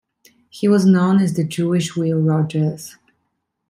He was known as "the Jewish Will Rogers".